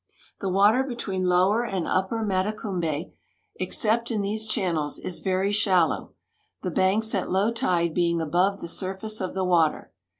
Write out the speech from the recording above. The water between Lower and Upi>er Matecumhe, except in these channels, is ver} ^ shallow, the banks at low tide being above the surface of the water.